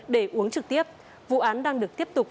để uống trực tiếp vụ án đang được tiếp tục